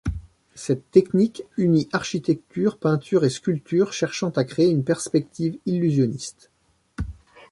Cette technique unit architecture, peinture et sculpture, cherchant à créer une perspective illusionniste.